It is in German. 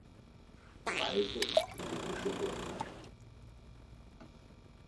Weise und prophetische Worte.